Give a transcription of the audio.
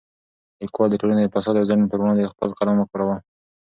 لیکوال د ټولنې د فساد او ظلم پر وړاندې خپل قلم وکاراوه.